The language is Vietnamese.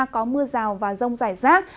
có mưa rào và rông rải rác